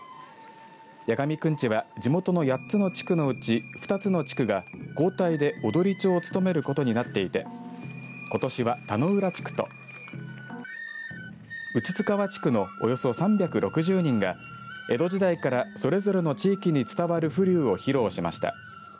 矢上くんちは地元の８つの地区のうち２つの地区が交代で踊町を務めることになっていてことしは田之浦地区と現川地区のおよそ３６０人が江戸時代からそれぞれの地域に伝わる浮立を披露しました。